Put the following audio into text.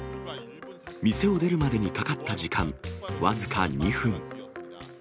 店を出るまでにかかった時間、僅か２分。